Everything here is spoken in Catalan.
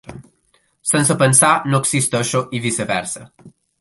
Sense pensar no existeixo i viceversa.